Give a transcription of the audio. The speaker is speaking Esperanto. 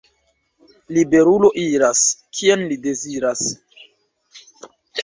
Liberulo iras, kien li deziras!